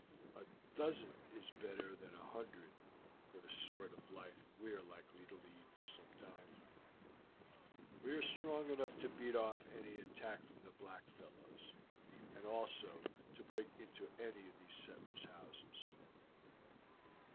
A dozen is better than a hundred for the sort of life we are likely to lead for some time. We are strong enough to beat off any attack from the black fellows, and also to break into any of these settlers' houses.